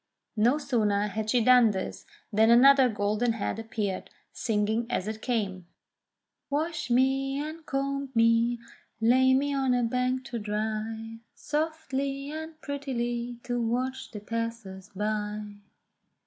No sooner had she done this than another golden head appeared, singing as it came : "Wash me, and comb me, lay me on a bank to dry Softly and prettily to watch the passers by."